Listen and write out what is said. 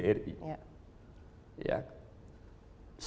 terutama yang dimiliki bri